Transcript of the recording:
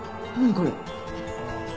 これ。